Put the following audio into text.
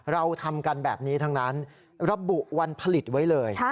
เราทำกันแบบนี้ทั้งนั้นระบุวันผลิตไว้เลย